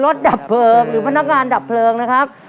ดับเพลิงหรือพนักงานดับเพลิงนะครับ